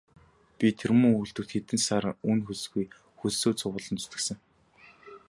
Би тэр муу үйлдвэрт хэдэн сар үнэ хөлсгүй хөлсөө цувуулан зүтгэсэн.